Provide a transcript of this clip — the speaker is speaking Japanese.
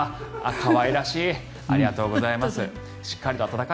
可愛らしい。